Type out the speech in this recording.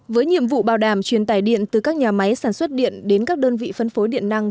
với nhiệm vụ bảo đảm truyền tài điện từ các nhà máy sản xuất điện đến các đơn vị phân phối điện năng